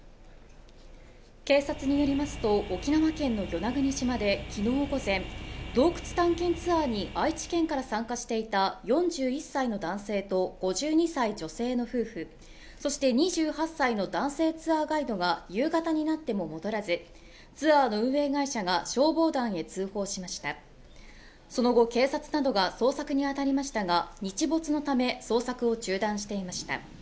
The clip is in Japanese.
警察によりますと沖縄県の与那国島できのう午前洞窟探検ツアーに愛知県から参加していた４１歳の男性と５２歳女性の夫婦そして２８歳の男性ツアーガイドが夕方になっても戻らずツアーの運営会社が消防団へ通報しましたその後警察などが捜索に当たりましたが日没のため捜索を中断していました